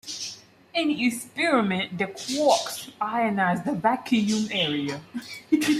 In the experiment the quarks ionized the vacuum area.